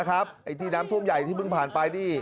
ไอ้ที่น้ำท่วมใหญ่ที่เพิ่งผ่านไปนี่